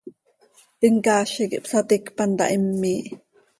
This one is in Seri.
Him caazi quij ihpsaticpan taa him miih.